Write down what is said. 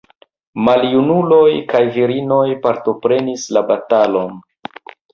Maljunuloj kaj virinoj partoprenis la batalon.